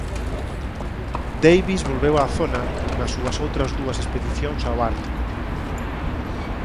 Davis volveu á zona nas súas outras dúas expedicións ao ártico.